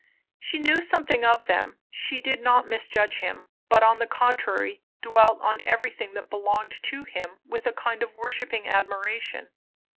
She knew something of them. She did not misjudge him; but on the contrary dwelt on everything that belonged to him with a kind of worshipping admiration.